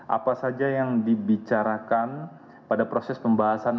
apa saja yang dibicarakan pada proses pembahasan